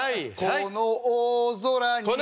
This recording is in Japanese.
この大空に！